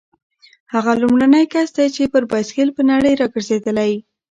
هغه لومړنی کس دی چې پر بایسکل په نړۍ راګرځېدلی.